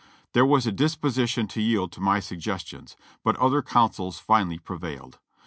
There was a disposition to yield to my sug gestions, but other counsels finally prevailed.